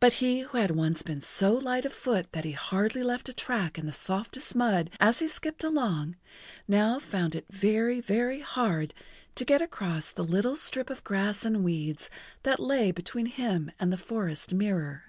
But he who had once been so light of foot that he hardly left a track in the softest mud as he skipped along, now found it very, very hard to get across the little strip of grass and weeds that lay between him and the forest mirror.